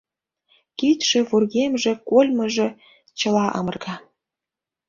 Кидше, вургемже, кольмыжо — чыла амырга!